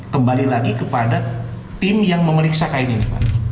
kembali lagi kepada tim yang memeriksa kain ini